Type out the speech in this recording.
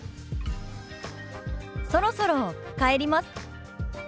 「そろそろ帰ります」。